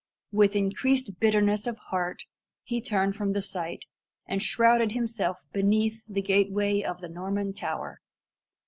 With increased bitterness of heart, he turned from the sight, and shrouded himself beneath the gateway of the Norman Tower.